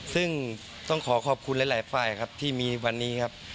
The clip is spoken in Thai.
ซึ่งต้องขอขอบคุณหลายฝ่ายครับที่มีวันนี้ครับ